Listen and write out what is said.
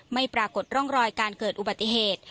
ไม่ปรากฏร่องรอยการเกิดอุบัติเหตุ